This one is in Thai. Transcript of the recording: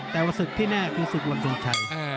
แต่ว่าศึกที่หน้าคือศึกวันศุกข์ชัย